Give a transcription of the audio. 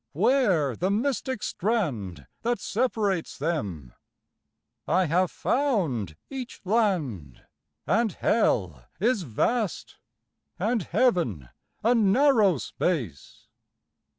where the mystic strand That separates them? I have found each land, And Hell is vast, and Heaven a narrow space.